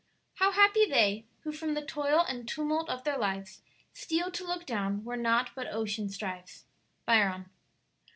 "How happy they, Who from the toil and tumult of their lives Steal to look down where naught but ocean strives." _Byron.